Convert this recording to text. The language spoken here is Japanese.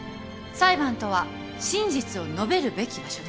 裁判とは真実を述べるべき場所です